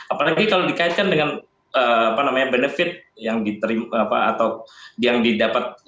apalagi kalau dikaitkan dengan benefit yang diterima atau yang didapat